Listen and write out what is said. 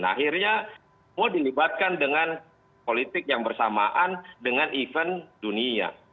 akhirnya mau dilibatkan dengan politik yang bersamaan dengan event dunia